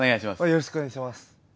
よろしくお願いします。